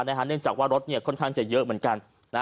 เนื่องจากว่ารถค่อนข้างจะเยอะเหมือนกัน